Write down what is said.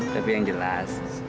tapi yang jelas